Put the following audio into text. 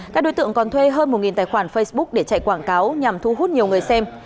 các đối tượng còn thuê hơn một tài khoản facebook để chạy quảng cáo nhằm thu hút nhiều người xem